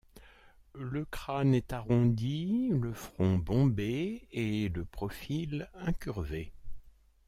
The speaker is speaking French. Le crâne est arrondi, le front bombé et le profil incurvé.